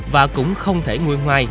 và cũng không thể nguyên hoai